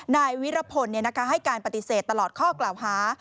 นายวิรพลให้การปฏิเสธตลอดข้อกล่าวหา